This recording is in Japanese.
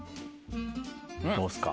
どうですか？